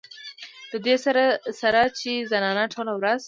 د دې سره سره چې زنانه ټوله ورځ